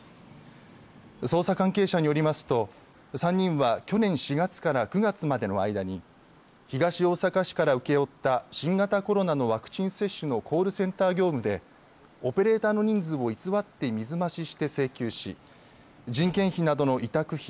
捜査関係者によりますと３人は去年４月から９月までの間に東大阪市から請負った新型コロナのワクチン接種のコールセンター業務でオペレーターの人数を偽って水増しして請求し人件費などの委託費